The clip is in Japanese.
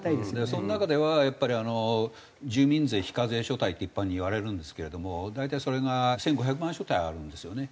その中ではやっぱり住民税非課税所帯って一般にいわれるんですけれども大体それが１５００万所帯あるんですよね。